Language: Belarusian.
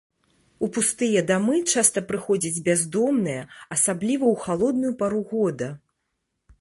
У пустыя дамы часта прыходзяць бяздомныя, асабліва ў халодную пару года.